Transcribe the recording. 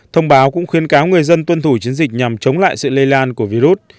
thông báo cũng khuyên cáo người dân tuân thủ chiến dịch nhằm chống lại sự lây lan của virus